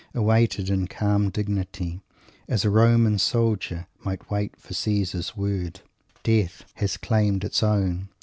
Awaited in calm dignity, as a Roman soldier might wait for Caesar's word, Death has claimed its own.